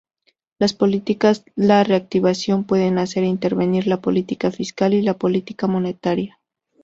Las políticas de reactivación pueden hacer intervenir la política fiscal y la política monetaria.